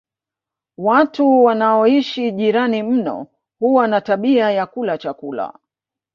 Watu wanaoishi jirani mno huwa na tabia ya kula chakula